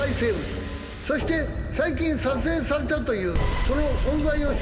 そして最近撮影されたというその。